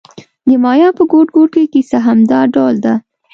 د مایا په ګوټ ګوټ کې کیسه همدا ډول ده